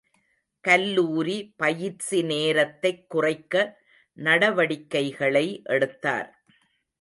கல்லூரி பயிற்சி நேரத்தைக் குறைக்க நடவடிக்கைகளை எடுத்தார்.